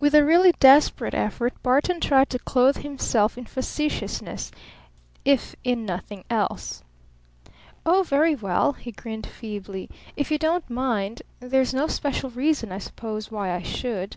With a really desperate effort Barton tried to clothe himself in facetiousness, if in nothing else. "Oh, very well," he grinned feebly. "If you don't mind there's no special reason, I suppose, why I should."